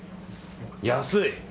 安い！